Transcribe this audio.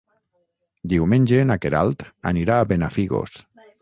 Diumenge na Queralt anirà a Benafigos.